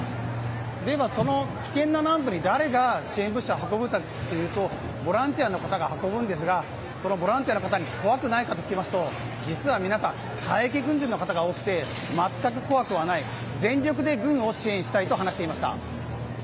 では、危険な南部に誰が支援物資を運ぶかというとボランティアの方が運ぶんですがそのボランティアの方に怖くないかと聞きますと実は皆さん退役軍人の方が多くて全く怖くはない、全力で軍を支援したいと話していました。